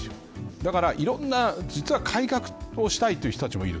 だから、いろんな実は改革をしたいという人たちもいる。